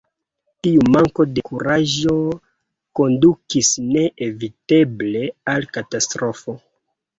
Tiu manko de kuraĝo kondukis ne-eviteble al katastrofo.